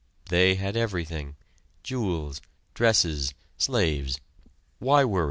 They had everything jewels, dresses, slaves. Why worry?